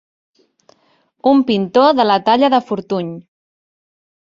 Un pintor de la talla de Fortuny.